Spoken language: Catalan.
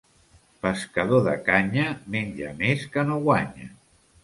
Pescador de canya, menja més que no guanya.